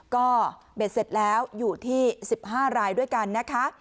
ก็เบ็ดเสร็จแล้วอยู่ที่๑๕รายด้วยกันนะคะ